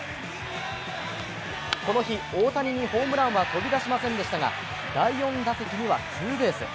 この日、大谷にホームランは飛び出しませんでしたが第４打席にはツーベース。